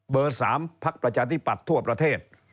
เบอร์๓ภักดิ์ประชาธิบัตรทั่วประเทศ